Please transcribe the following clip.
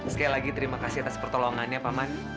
sekali lagi terima kasih atas pertolongannya paman